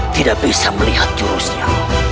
tidak bisa melihat jurusnya